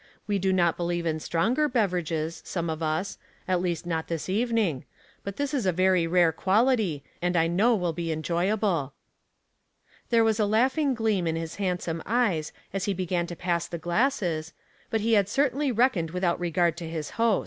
We do not believe ^n. btronger beverages, some of us, at least not this evening ; but this is a very rare quality, and 1 know will be enjoyable." There was a laughing gleam in his handsome eyes as he began to pass the glasses, but he had certainly reckoned without regard to his host.